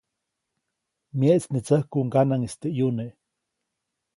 Myeʼtsnitsäkuʼuŋ ŋganaʼŋis teʼ ʼyuneʼ.